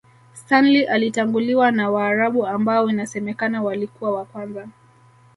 Stanley alitanguliwa na Waarabu ambao inasemakana walikuwa wa kwanza